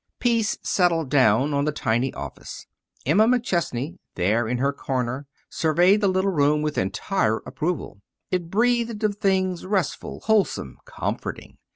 Peace settled down on the tiny office. Emma McChesney, there in her corner, surveyed the little room with entire approval. It breathed of things restful, wholesome, comforting.